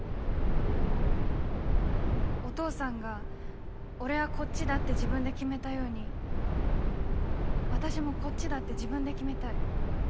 お父さんが俺はこっちだって自分で決めたように私もこっちだって自分で決めたい。